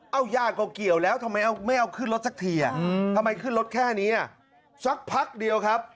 เอ้ายาก่อเกี่ยวแล้วทำไม